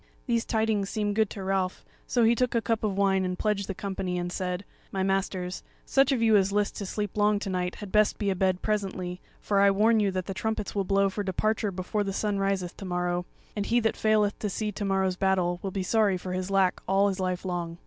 These tidings seemed good to Ralph; so he took a cup of wine and pledged the company, and said: "My masters, such of you as list to sleep long to night had best be abed presently, for I warn you that the trumpets will blow for departure before the sun riseth to morrow; and he that faileth to see to morrow's battle will be sorry for his lack all his life long."